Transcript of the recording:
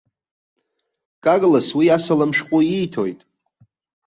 Карлос уи асалам шәҟәы ииҭоит.